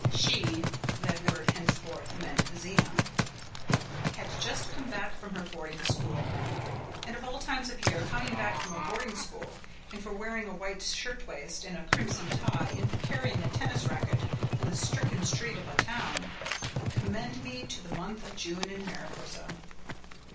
She that word henceforth meant Zena had just come back from her boarding school, and of all times of year coming back from a boarding school and for wearing a white shirt waist and a crimson tie and for carrying a tennis racket on the stricken street of a town commend me to the month of June in Mariposa.